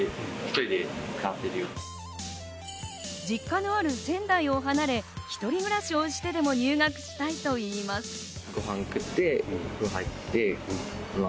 実家のある仙台を離れ、一人暮らしをしてでも入学したいと言います。